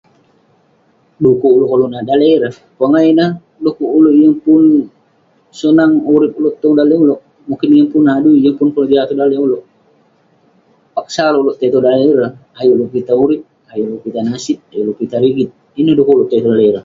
Du'kuk ulouk koluk nat daleh ireh, pongah ineh, du'kuk ulouk yeng pun sonang urip ulouk tong daleh ulouk, yeng pun adui yeng pun keroja tong daleh ulouk..terpaksa lah ulouk tai tong daleh ireh, ayuk ulouk pitah urip, ayuk ulouk pitah nasib ayuk ulouk pitah rigit, ineh du'kuk ulouk tai tong daleh ireh